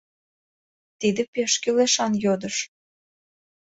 Тиде пеш кӱлешан йодыш.